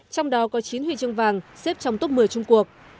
trong đó có chín huy chương vàng xếp trong tốt một mươi trung quốc